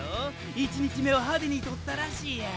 １日目は派手に獲ったらしいやん。